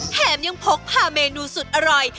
แถมยังพกพาเมนูสุดอร่อย